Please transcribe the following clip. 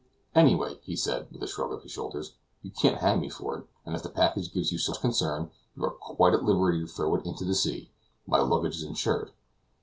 "Anyway," he said, with a shrug of his shoulders, "you can't hang me for it; and if the package gives you so much concern, you are quite at liberty to throw it into the sea. My luggage is insured."